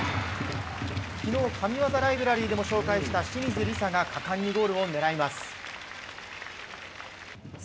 昨日、神技ライブラリーでも紹介した清水梨紗が果敢にゴールを狙います。